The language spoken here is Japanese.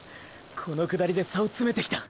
この下りで差を詰めてきた！！